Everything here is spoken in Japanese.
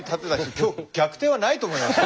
今日逆転はないと思いますよ。